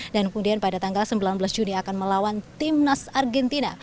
dan kemudian pada tanggal sembilan belas juni akan melawan timnas argentina